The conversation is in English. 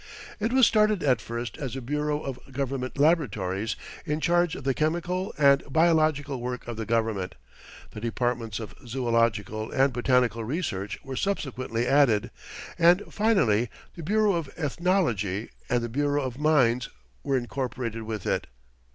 It was started at first as a Bureau of Government Laboratories in charge of the chemical and biological work of the government, the departments of zoölogical and botanical research were subsequently added, and finally the Bureau of Ethnology and the Bureau of Mines were incorporated with it.